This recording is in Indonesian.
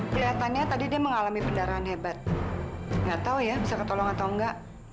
kelihatannya tadi dia mengalami pendarahan hebat nggak tahu ya bisa ketolong atau enggak